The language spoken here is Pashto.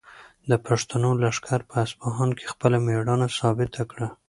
د پښتنو لښکر په اصفهان کې خپله مېړانه ثابته کړه.